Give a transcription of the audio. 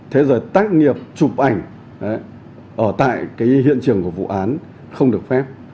thế rồi tác nghiệp chụp ảnh ở tại cái hiện trường của vụ án không được phép